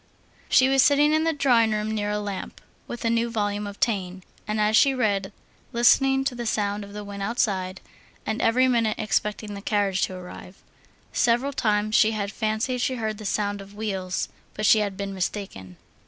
She was sitting in the drawing room near a lamp, with a new volume of Taine, and as she read, listening to the sound of the wind outside, and every minute expecting the carriage to arrive. Several times she had fancied she heard the sound of wheels, but she had been mistaken.